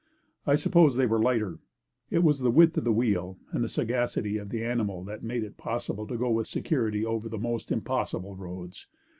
I suppose they were lighter. It was the width of wheel and sagacity of the animal that made it possible to go with security over the most impossible roads.